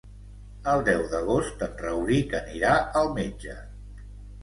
El deu d'agost en Rauric anirà al metge.